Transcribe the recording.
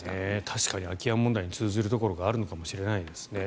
確かに空き家問題に通ずるところがあるのかもしれないですね。